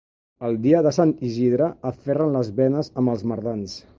El dia de Sant Isidre aferren les benes amb els mardans.